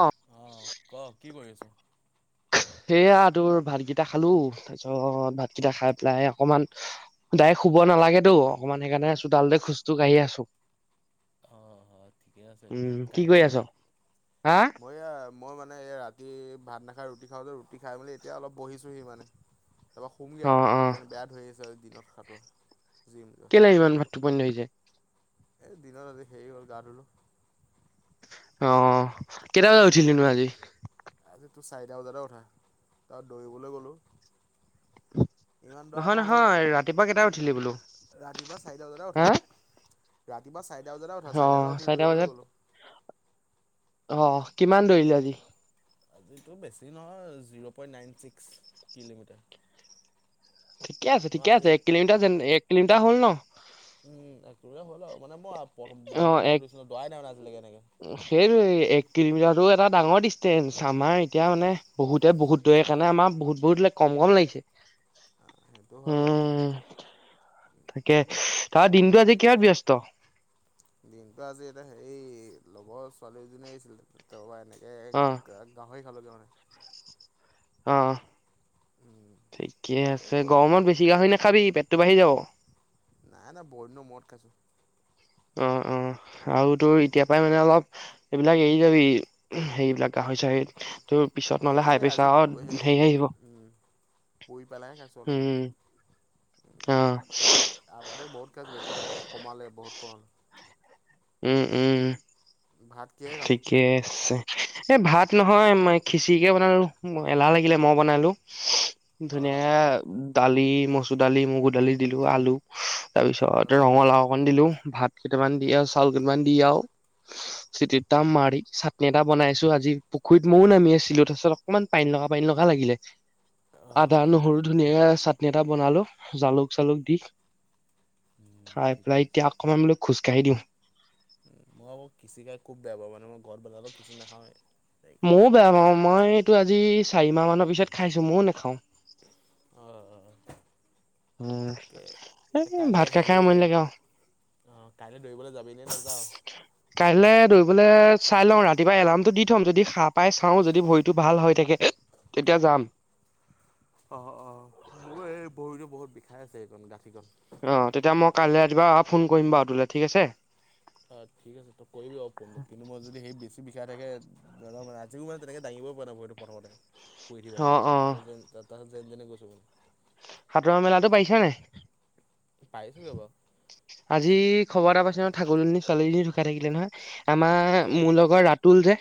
অ আহ ক কি কৰি আছ সেয়া তোৰ ভাতকেইটা খালো তাৰপিছত ভাতকেইটা খাই পেলাই অকনমানদাই শুব নালাগেতো অকমান সেইকাৰণে আছো ডালতে খোজটো কাঢ়ি আছো। অঁ অঁ ঠিকে আছে উম কি কৰি তেতিয়াহলে [unintelligible] আছ লাগে হা বঢ়িয়া মই মানে এই ৰাতি ভাত নাখাই ৰুটি খাওঁ যে ৰুটি খাই মেলি এতিয়া অলপ বহিছোহি মানে তাৰপা সোমগে অ আৰু অ টোপানে বেয়া ধৰি আহিছে আৰু দিনত খো কেনে ইমান টোপনী ধৰি যায়। এ দিনৰ ৰাতি সেৰি হ'ল গা ধুলো অ কেইটা বজা উছিলি ন আজি তটো চাৰিটা বজাতে কথা তাৰ দৌৰিবলৈ গ'লো। উম, ইমান দৌৰা নহল উঠিলি বোলো ৰাতিপুৱা চাৰিটা বতে উঠা হা ৰাতিপুৱা চাৰিটা বজাতে উঠা অ চাৰিটা বজাত উঠি দৌৰিবলৈ বজাত গলো অ, কিমান ধৰিলে আজি? আজো বেছি নহয় zero point nine six kilometre. ঠিকে আছে - ঠিকে আছে কিলোমিটাৰ যে এক কিলোমিটাৰ হ'ল ন। উম, একোৰে হ'ল আৰু মানে মই প্ৰথম বহুত অ, দিনৰ মূৰত এক দৌৰিছিলোঁ, দৌৰাই নাই মানে আজিলৈকে এনেকে। সেইটো এক কিলোমিটাৰতটো এটা ডাঙৰ ডিচেন্ঞ্চ আমাৰ এতিয়া মানে বহুতে বহুত দৌৰে কাৰণে আমাৰ বহুত- বহুত কম কম লাগিছে। সেইটো হয় বাৰু। উম, তাকে। তাৰ দিনটো আজি কিহত ব্যস্ত দিনটো আজি এয়া হেৰি লগৰ ছোৱালীজনীয়ে আছিলে পৰা এনে এ অ গাহৰি খালোগে মানে। অ', উম, ঠিকে তাতে আছে গ'ল আৰু। গৰমত বেছি গাহৰি নাখাবি পেটটো বাঢ়ি যাব নাই নাই বহুদিন মূৰত খাইছোঁ। অ - অ আৰু তোৰ এতিয় পৰাই মানে অলপ এইবিলাক এৰি যাবি হেৰিবিলাক গাহ হৈছে। পিছত নহ'লে হাই এইবুলি আজি প্ৰেছাৰ সেই হেৰি আহিব উম। অ এ আগতে বহুত ক লাগ এতিয়া কমালে বহুত ক উম - উম কিহেৰে খালি? ঠিকে আছে। এ ভাত নহয় খিচিৰিকে বনালো এলাহ লাগিলে মই বনালো। অ', অ', ধুনীয়াক দালি মচুৰ দালি মগু দালি দিলো আলু তাৰ পিছত অ'। ৰঙালাও অকণ দিলো ভাত কেইটামান দি আৰু চাউল কেইটামান দি আৰু চিটিত দাম মাৰি চাটনি এটা বনাইছো আজি পুখুৰীত ময়ও নামি আছিলো তাৰপিছত অকনমান পাই ন এনেকুৱা লাগিলে অ', আদা নহৰু ধুনীয়াকে চাটনি এটা বনালো জালুক চালুক দি। উম, খাই ঠিকে পেলাই এতিয়া অকমান বোলো খোজ কঢ়ি দিও। উম, মই আকৌ খিচি খুব বেয়া পাও মানে মই ঘৰত বনো খিচি নাখাও। ময়ো বেয়া পাও মই এইটো আজি চাৰি মাহ মানৰ পিছত খাইছো ময়ো নাখাও। অঁ উম, তাকে এ ভাত খাই - খাই মন লাগে অ, আহ কাইলৈ দৌৰিবলৈ যাবিনে নাযাও। কাইলৈ দৌৰিবলৈ চাই লওঁ ৰাতিপুৱা এলাৰ্মটো দি থম যদি খা পাই চাওঁ যদি ভৰিটো ভাল হৈ থাকে তেতিয়া যাম অঁ খাই আছে সেইকণ গাঁঠীকণ অ' তেতিয়া মই কাইলৈ ৰাতিপুৱা ফোন কৰিম বাৰু তোলে ঠিক আছে। অ' ঠিক আছে। তই কৰিবি আৰু ফোনটো কিন্তু মই যদি সেই বেছি বিষাই থাকে। আজিও মানে তেনেকে দাঙিবইও পৰা নাই ভৰিতো প্ৰথমতে শুই উঠি অ পেলাই অ তাছত যেনি তেনি গৈছোগৈ সাতুৰা মেলাটো পাৰিছা নাই? পাৰিছুগে বাৰু আজি খবৰ এটা পাইছা নে ঠাকুৰজনী ছোৱালীজনী ঢুকাই থাকিলে নহয়। আমাৰ মোৰ কেনেকৈ লগৰ ৰাতুল যে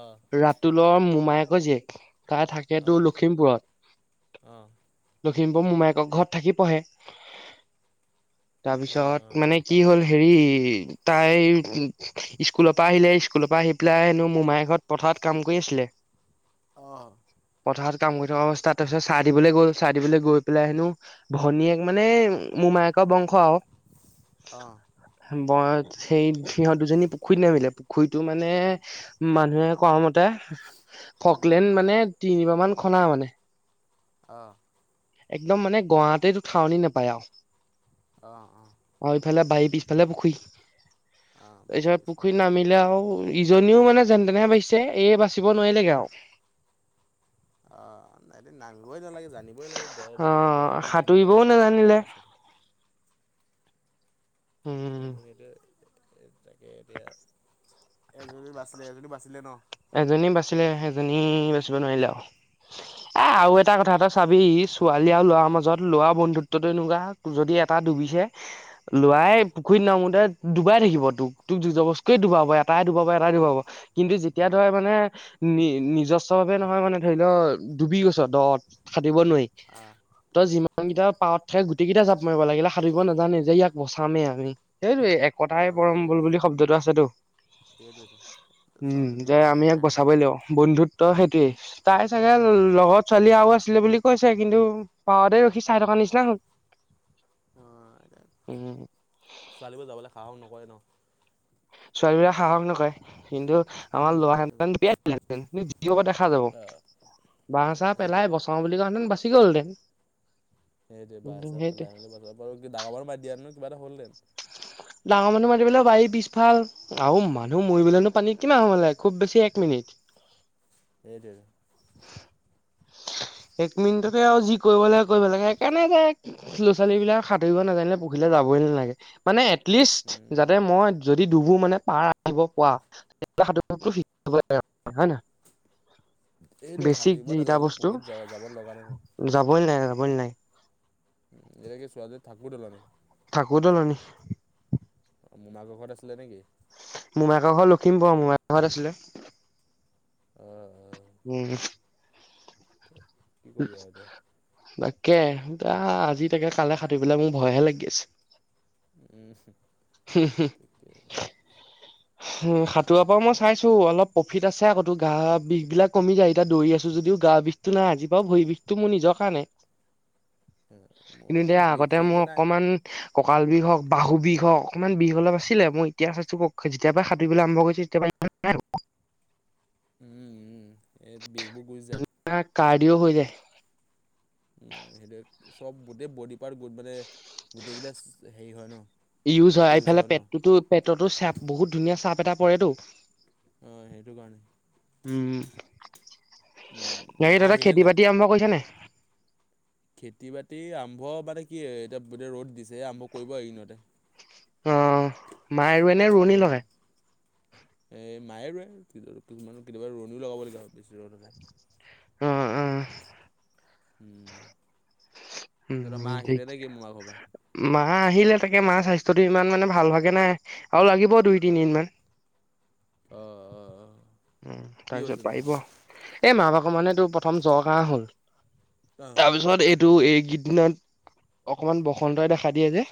অঁ ৰাতুলৰ মোমায়েকৰ জীয়েক তাই থাকে তোৰ অঁ লখিমপুৰত অঁ দিম্পু মোমায়েকৰ ঘৰত থাকি পঢ়ে অঁ অঁ তাৰপিছত মানে কি তাৰপৰা? হ'ল হেৰি তাই স্কুলৰ পৰা আহিলে স্কুলৰ পৰা আহি পেলাই হেনো মোমাই ঘৰত পথাৰত কাম কৰি আছিলে অ কাম কৰি থকা অৱস্থা তাৰপিছত চাহ দিবলৈ গ'ল চাহ দিবলৈ গৈ পেলাই হেনো ভনীয়েক মানে মোৰ মোমায়েকৰ বংশ আও অঁ সেই সিহঁত দুজনী পুখুৰীত নামিলে। পুখুৰীতটো মানে মানুহে কোৱা মতে তাৰ ফকলেণ্ড মানে তিনিবাৰ মান খনা মানে অ' একদম মানে গৰাইতো থাহনি নোপায় অঁ অঁ আৰু ইফালে বাৰী পিছ ফালে পুখুৰী অঁ বাৰীৰ তাৰপিছত পিছফালে। পুখুৰী নামিলে আও জনীও মানে যেন তেনেহে বাচিছে এই বাচিব নোৱাৰিলেগে আৰু অ' নামিবই নালাগে। জানিবই লাগে দ অ বুলি যে দ বুলি জানিবলৈ সাঁতুৰিবও আকৌ নামিছে যে নাজানিলে বেয়া হৈছে উম সেইটোৱেই [unintelligible] এজনী বাচিলে এজনী বাচিলে ন এজনী বাচিলে সেইজনী বাচিব নোৱাৰিলে। আও এ আৰু এটা অ'। কথা এটা চাবি ছোৱালী আৰু ল'ৰাৰ মাজত লোৱা বন্ধুত্বটো এনেকুৱা যদি এটা ডুবিছে লৰাই পুখুৰীত নামোতে ডুবাই থাকিব তোক তোক জোৰ জবচকৈ ডুবাব এটাই ডুবাব এটাই ডুবাব কিন্তু এতিয়া ধৰ উম, মানে নি নিজস্ব ভাৱে নহয় মানে ধৰি লও ডুবি গৈছ দ'ত দিব নোৱাৰি আহ, তই আহ, যিমান কেইটা পাৱত তাকে গোটেই কেইটা জাপ মাৰিব লাগিলে সাতুৰিব নাজানেই যে ইয়াক বচামেই আমি সেইটো একতাই অ' পৰম বল সেইটোৱে বুলি শব্দ এটা আছে তো সেইটোৱেতো। উম ছোৱালীটো যে ইমান আমি হেৰি ইয়াক নাই ন বচাবই লাগিব বন্ধুত ত সেইটোয়ে তাই চাগে লগৰ ছোৱালী আৰু আছিলে বুলি কৈছে কিন্তু পাওঁতে ৰখি চাই থকা নাই। [unintelligible] অ ছোৱালীবোৰ যাবলৈ সাহস নকৰে ন ছোৱালী বোৰে সাহস নকৰে কিন্তু আমাৰ উম, লৰা হোৱা সেইটো কাৰণে। হেঁতেন জপিয়াই দিলে হেঁতেন যি হব দেখা যাব অ' বাঁহ চাহ পেলাই সেইটোৱেতো। বচাওঁ বুলি কওঁহেঁতেন বাচি গল হেঁতেন। সেইটো বাহঁ চাহ পেলাই মেলি বা ডাঙৰ মানুহ মাতি দিয়া দিয়া হলে কিবা এটা হ'ল হেঁতেন ডাঙৰ মানুহ মাতিবলে বাৰী পিছফাল আৰু মানুহ মৰিবলে নো পানীত কিমান সময় লাগে খুব বেছি এক মিনিট [inaudible] এইটোৱেই টো [unintelligible] এক মিনিটতে আৰু যি কৰিব লাগে কৰিব লাগে সেইকাৰণে ল'ৰা ছোৱালী বিলাকে সাতুৰিব নাজানিলে পুখুৰিলে যাব মানে এটলিষ্ট উম, যাতে মই যদি দুবোৰ মানে পাৰ আহিব পোৱা সাধ হয় নহয় এইদৰে সাতুৰিব না এয়া বস্তু যাবই নাই যাবই নাই। এয়া কি ছোৱালীজনী ঠাকুৰ দলা নেকি থাকোঁ‌তে নানি মোমাকৰ ঘৰত আছিলে নেকি মোমাইয়েকৰ ঘৰ লখিমপুৰত মোমাইয়েক ঘৰত আছিলে অ' উম কি তাক কৰিবি আৰু তাকে আজি তাকে কালে সাঁতুৰি পেলাই মোক ভয়হে লাগি আছে হু হু, এতিয়া হুম সাঁতোৰা বাও মই চাইছো অলপ প্ৰফিট আছে আকৌ তো গা বিষ বিলাক কমি যায় এতিয়া দৌৰি আছো যদিও গা বিষটো নাই আজি ভৰি বিষটো মোৰ নিজৰ কাৰণে কিন্তু এতিয়া বিষ আগতে মোৰ চিষবোৰ নাই অকমান ককাল বিষ হওক বাহু বিষ হওক অকণমান বিষ অলপ আছিলে মই এতিয়া চাইছো যেতিয়া পৰা সাঁতুৰিবলৈ আৰম্ভ কৰিছো তেতিয়াপা ইমান নাই উম উম এই বিষবোৰ গুচি যায়। হোৱা। কাৰ্ডিও হৈ যায়। সেইটো চব গোটেই বডি পাৰ্টো মানে গোটেইকেইটা হেৰি হয় ন ইউজ হয় এইফালে পেটতো- পেটতো চা বহুত ধুনীয়া চাপ এটা পৰেতো অঁ সেইটো কাৰণে উম বাকি মা তহঁ‌ত আহিলে খেতি নাই বাতি আৰম্ভ কৰিছে নে? খেতি বাতি আৰম্ভ মানে কি এতিয়া এতিয়া ৰ'দ দিছে আৰম্ভ কৰিব আ এইকেইদিনতে অ মায় আৰু এনে ৰুৱণী লগায় এ মায়ে ৰুৱে, কেতিয়াবা ৰুৱণিও লগাব লগীয়া হয় বেছি ৰদ হ'লে অ অ হম উম ঠিক মা আহিলে তাক তাকে মাৰ স্বাস্থ্যটো ইমান মানে ভাল ভাগে নাই আৰু লাগিব দুই তিনিদিন মান অ অ অ উ তাৰপিছত পাৰিব এ মা ভাগ মানে তোৰ প্ৰথম জৰ কাহ হল অ', তাৰপিছত এইটো এইকেইদিনত অকমান বসন্তই দেখা দিয়ে যে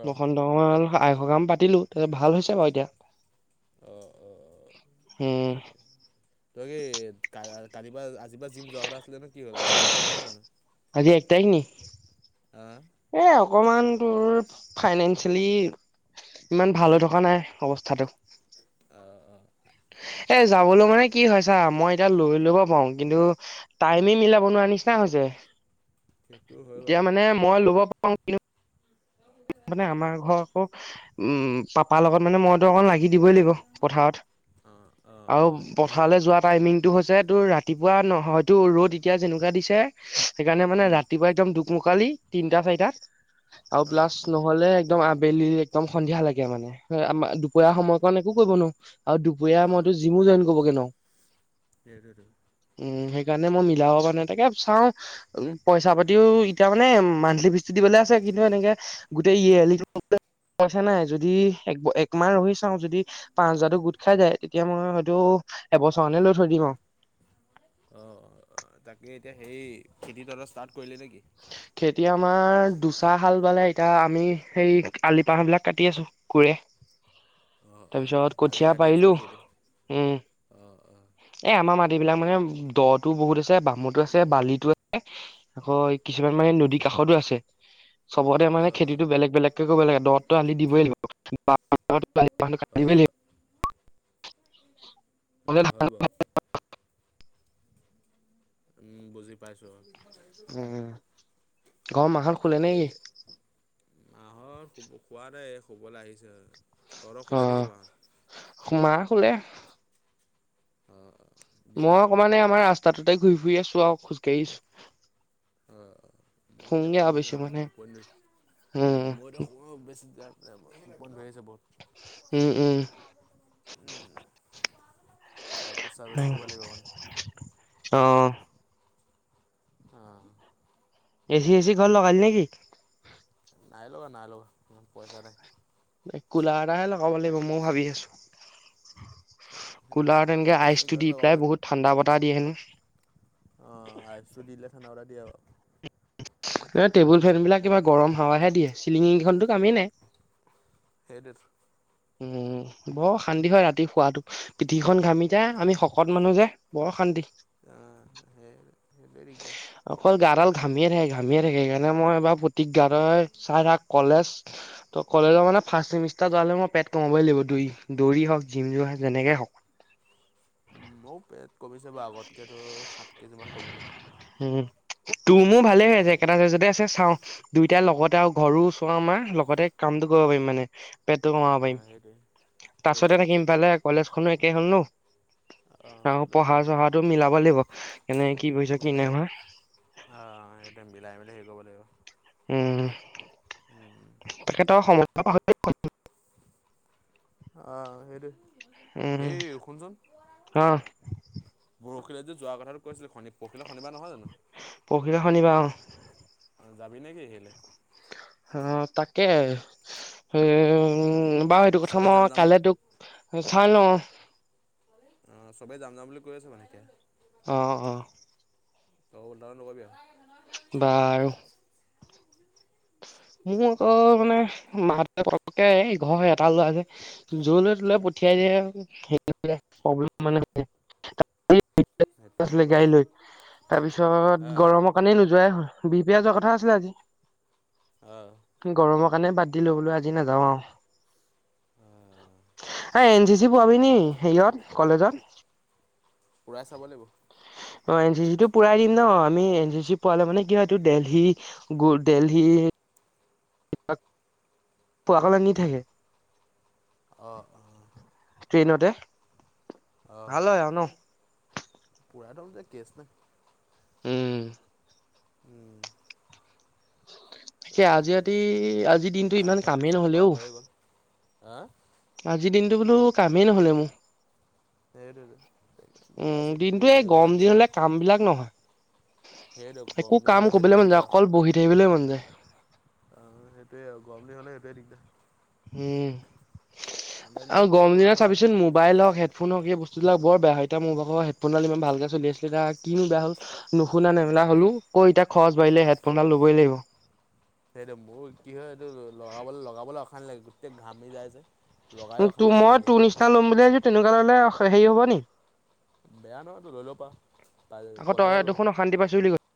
অ', বসন্ত আগমন হ'ল আই সকাম পাতিলো তাছত ভাল হৈছে বাও এতিয়া অ', অ', [unintelligible] তই কি কালিপা আ আজিপা জিম যোৱা কথা আছিলে নহয়। কি হল আজি এক তাৰিখ নহয় জানো? আজি একতাৰিখ নি অ', এ অকমান তোৰ ফাইনেন্সিয়েলি ইমান ভাল হৈ থকা নাই অৱস্থাটো অ', অ', সে এ ঠিকে যাবলৈ মানে কি হয় চা মই এতিয়া লৈ লব পাৰো কিন্তু টাইমে মিলাব নোৱাৰা নিচিনা হৈছে সেইটো হয় বাৰু এতিয়া মানে মই লব পাৰো কিন্তু মানে আমাৰ ঘৰ আকৌ উম পাপাৰ লগত মানে মইতো অকণ লাগি দিবই লাগিব পথাৰত। অ', অ', আৰু অ', সেইটো হয়। পথাৰলৈ যোৱা টাইমিং টো হৈছে তোৰ ৰাতিপুৱা নহয়তো ৰ'দ এতিয়া যেনেকোৱা দিছে। সেইকাৰণে মানে উম, ৰাতিপুৱা একদম দুকমুক কালি তিনিটা চাৰিটা আৰু অ', প্লাছ নহ'লে একদম আবেলি একদম সন্ধিয়া লাগে মানে। আমাৰ দুপৰীয়া অ', সময়ৰ কাৰণে একো কৰিব নোৱাৰো। আৰু দুপৰীয়া অ', মইতো জিমো জইন কৰিবগে সেইটোৱেতো। নোৱাৰো। উম সেইকাৰণে মই মিলাব কাৰনে তাকে চাও উ পইচা পাতিও এতিয়া মানে মান্থলি ফিজটো দিবলে আছে কিন্তু এনেকে গোটেই এই হেলিকপ্টাৰ পইচা নাই যদি এক একমাহ ৰৈ চাও যদি পাঁচ হাজাৰটো গোট খাই যায় তেতিয়া মই হয়তো এবছৰ ‍ মানলৈ লৈ থই দিম আৰু অ তাকে এতিয়া সেই খেতিটো ষ্টাৰ্ট কৰিলে নেকি। হয় [unintelligible] খেতি আমাৰ দুচাহ হাল বালে এতিয়া আমি সেই আলি পাহ বিলাক কাটি আছো কুৰে অ', অ', তাৰপিছত অ', আলি কঠিয়া কাটি আছো পাৰিলো নেকি এতিয়া? উম অ', অ', এ আমাৰ মাত এইবিলাক মানে দহটো বহুত আছে বামতো আছে বালিটো আছে আকৌ কিছুমান মানে নদী কাষতো আছে চবতে মানে অ', খেতিটো বেলেগ বেলেগকে কৰিব লাগে দহত সেইটো আনি দিবই এ অ', লাগিব হয় বাৰু উম বুজি পাইছোঁ। উম, ঘৰৰ উম মাহত শুলে নে তাকেই কি দিয়া মাহত শুব নাই শুবলৈ আহিছে। তহঁতৰ শুলে নেকি মাহঁত অহ মা শুলে। অহ অহ মই অকমানে আমাৰ ৰাস্তাটোতে ঘূৰি ফুৰি আছো আৰু খোজকাঢ়িছো। অ' মই এ শুম আৰু টোপনি ধৰিছে। উ উম মই বেছি বন্ধ হৈ আহিছে বহুত উম উম। ম'বাইলটো চাৰ্জ উম দিব‌ লাগিব অ মানে অহ', হেচি - হেচি কল লগালি‌ নেকি? নাই লগা নাই লগা ইমান পইচা নাই। কুলাৰ এটাহে লগাব লাগিব মইও ভাবি আছোঁ। অ' সেইটোৱে কুলাৰত এনেকে কমপ্লেইন আইচটো কিবাত দি পেলাই বহুত ঠাণ্ডা বতাহ দিয়ে হেনো। অহ আইচটো দিলে ঠাণ্ডা বতাহ দিয়ে আৰু টেবুল ফেন বিলাক কিবা গৰম হাৱাহে দিয়ে চিলিঙিখনো কামে নাই। সেইটোৱেতো বৰ অশান্তি হয় ৰাতি শোৱাতো পিঠিখন ঘামি যাই আমি শকত মানুহ যে বৰ অশান্তি। অহ হেৰি অকল গাডাল ঘামিয়ে থাকে ঘামিয়ে থাকে সেইকাৰণে মই এইবাৰ প্ৰতিজ্ঞা চাই থাক কলেজত কলেজৰ মানে ফাৰ্ছ চেমিষ্টাৰ যোৱালে মই পেট কমাবই লাগিব দৌৰি দৌৰি হওক জিম যোৱা‌ যেনেকে হওক উম, মোৰ পেট কমিছে বাৰু আগতকে সাত কেজি মান কমিলে। তো মোৰ ভালে হৈ আছে উম একেটা সাইজতে আছে চাওঁ দুইটাৰ লগতে আৰু ঘৰ ওচৰ আমাৰ লগতে কামটো কৰিব পাৰিম মানে। পেটটো কমাব পাৰিম অ' সেইটোৱে সেইটোৱে তাছতে থাকিম পালে কলেজখনো একে হল নহ। অ, কলেজ লাগে। খোৱাটো মিলাব লাগিব কেনে কি পাইছা কি মিলাই নাই হোৱা অ', সেইটো [unintelligible] উম উম। তেখেতেক আৰু সময় [unintelligible] অহ, সেইটো উম হেই শুনচোন অ পৰখিলে যে যোৱা কথাটো কৈছিল পৰখিলে শনিবাৰ নহয় জানো। পৰহিলে শনিবাৰ অ যাবি নে কি আহিলে অহ তাকে উম, বাৰু সেইটো কথা চবেই মই যাম যাম বুলি কাইলে তোক চাই লও। অ চবেই জাম জাম বুলি কৈ আছে মানে এতিয়া। অ - অ। অলাক বিয়া [unintelligible] বাৰু হয়। মোৰ আকৌ মানে মাহ দেউতাই ঘৰখনৰ এটা লৰা যে জলৈ তলৈ পঠিয়াই মানে [unintelligible] সেইটো হয় আছিলে বাৰু। গাড়ি লৈ হা তাৰপিছত গৰমৰ কাৰণে নোযোৱাই হ'ল। বি পিয়েজোৱা কথা আছিলে হা অ', আজি গৰমত কাৰণে বাদ দিলো আও আজি নাযাওঁ আৰু অ', এ এন চি চি পোৱাবি নি সেৰিয়ত কলেজত পুৰাই চাব লাগিব অ এন চি চিটো পূৰাই দিম ন আমি এন চি চি পোৱালে মানে কি হয় এইটো দেলহি গু দেলহি পোৱাকলে নি থাকে? অঁ। ট্ৰেইনতে, ভাল হয় আও ন? পুৰা এটা বোলে কেছ নাই। উম। উম। তাকে আজি ৰাতি আজিৰ দিনটো ইমান কামেই নহলে অঔ। হাঁ? আজিৰ দিনটো বোলো কামেই নহলে মো। সেইটোৱেটো মই আজি দিনটো দিনটোৱে এনেই গৰম যোৱা দিন নিচিনা হ'লে হল কাম বিলাক নহয় সেইটো গৰম একো দিনৰ হ'লে কাম সেইটোৱে কৰিবলে মন যায় দিগদাৰ। অকল বহি থাকিবলে মন যায়। অ সেইটোয়ে আৰু গৰম দিন হলে সেইটোৱে দিগদাৰ। উম ঠাণ্ডা দিনত আৰু কিবা গৰম কৰিবলে দিনত ভাল। চাবিচোন মোবাইল হওক হেডফোন হওক এই বস্তু- বিলাক বৰ বেয়া এতিয়া মোৰ ভাগৰ হেডফোনডাল ইমান ভালকে চলি আছিলে এ কিনো বেয়া হল? নুশুনা নেমেলা উম। হলো ক এতিয়া খৰচ বাঢ়িলে হেডফোন ডাল ল'বই লাগিব। সেইটো মোৰ কি হয় সেইটো লগাবলৈ লগাবলৈ অশান্তি লাগে গোটেই ঘামি যাই যে। লগাইও ত অশান্তি লাগে মই এতিয়া। তোৰ নিচিনা লম বুলি ভাবিছোঁ তেনেকুৱা ললে হেৰি হ'ব নি? বেয়া নহয় তো লৈ লব' পাৰ আকৌ তই কলাডাল লবি। দেখোন অশান্তি পাইছোঁ বুলি ক